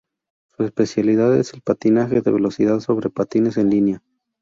Su especialidad es el patinaje de velocidad sobre patines en línea.